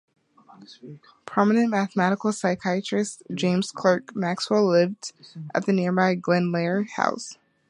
Prominent mathematical physicist James Clerk Maxwell lived at the nearby Glenlair House.